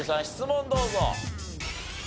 質問どうぞ。